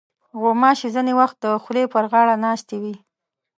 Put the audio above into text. غوماشې ځینې وخت د خولې پر غاړه ناستې وي.